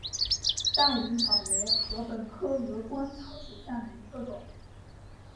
大颖草为禾本科鹅观草属下的一个种。